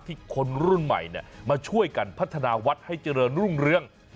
คนรุ่นใหม่มาช่วยกันพัฒนาวัดให้เจริญรุ่งเรือง